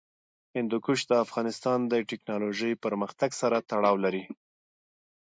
هندوکش د افغانستان د تکنالوژۍ پرمختګ سره تړاو لري.